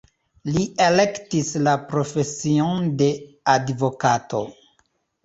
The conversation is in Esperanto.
Li elektis la profesion de advokato.